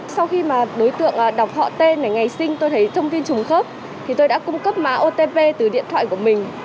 sau khi mà đối tượng đọc họ tên này ngày sinh tôi thấy thông tin trùng khớp thì tôi đã cung cấp mã otv từ điện thoại của mình